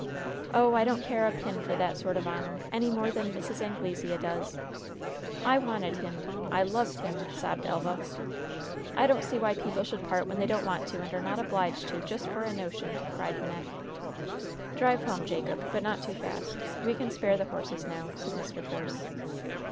"Oh, I don't care a pin for that sort of honor, any more than Mrs. Anglesea does! I wanted him I loved him!" sobbed Elva. "I don't see why people should part when they don't want to and are not obliged to, just for a notion!" cried Wynnette. "Drive home, Jacob. But not too fast. We can spare the horses now," said Mr. Force.